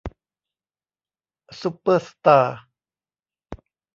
ซุปเปอร์สตาร์